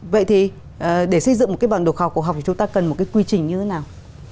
vậy thì để xây dựng một cái bản đồ khảo cổ học thì chúng ta cần một cái quy trình như thế nào